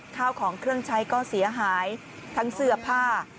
ข้าวของเครื่องใช้ก็เสียหายทั้งเสื้อผ้า